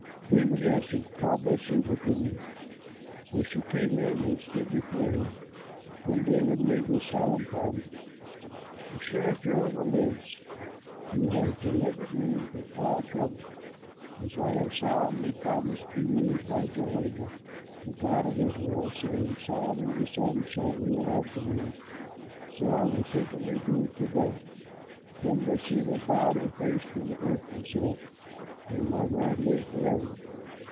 David answered, "Call Bathsheba to me." So she came in and stood before him. Then David made this solemn promise; "As surely as Jehovah lives, who has delivered me from all trouble, as I have solemnly promised to you by Jehovah, the God of Israel, saying, 'Solomon your son shall rule after me'; so I will certainly do to day." Then Bathsheba bowed her face to the earth and said, "May my lord live forever."